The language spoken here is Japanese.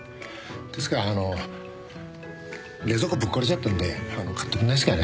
ですからあの冷蔵庫ぶっ壊れちゃったんで買ってくんないっすかね？